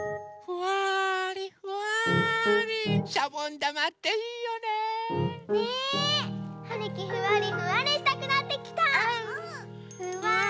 「ふわりふわりふわり」